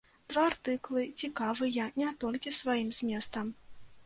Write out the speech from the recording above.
Два артыкулы цікавыя не толькі сваім зместам.